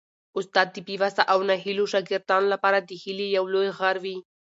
استاد د بې وسه او ناهیلو شاګردانو لپاره د هیلې یو لوی غر وي.